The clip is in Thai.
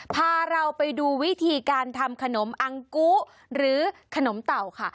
พาเราไปดูวิธีการทำขนมอังกุหรือขนมเต่าค่ะ